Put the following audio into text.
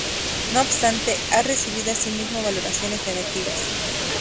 No obstante, ha recibido asimismo valoraciones negativas.